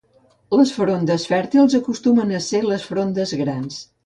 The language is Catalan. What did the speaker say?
Les frondes fèrtils acostumen a ser les frondes grans.